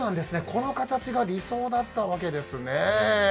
この形がずっと理想だったわけですね。